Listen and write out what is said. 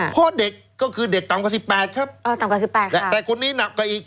พ่อเด็กก็คือเด็กตามกว่าสิบแปดครับอ่อตามกว่าสิบแปดครับแต่คนนี้หนักกว่าอีก